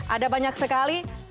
ada banyak sekali